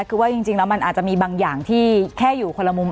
คือว่าจริงแล้วมันอาจจะมีบางอย่างที่แค่อยู่คนละมุม